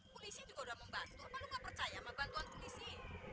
polisi juga udah membantu apa lu nggak percaya sama bantuan polisi